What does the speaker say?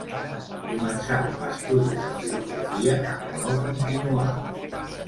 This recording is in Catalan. Començà estudis de filosofia, que no continuà.